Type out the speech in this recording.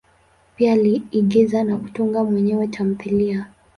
Pia aliigiza na kutunga mwenyewe tamthilia.